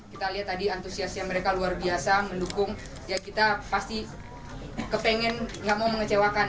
kita lihat tadi antusiasnya mereka luar biasa mendukung ya kita pasti kepengen gak mau mengecewakan